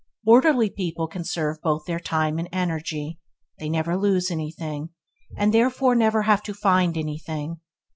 Orderly people conserve both their time and energy. They never lose anything, and therefore never have to find anything.